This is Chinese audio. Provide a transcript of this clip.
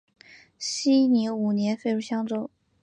熙宁五年废入襄州。